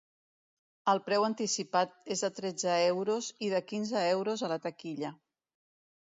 El preu anticipat és de tretze euros i de quinze euros a la taquilla.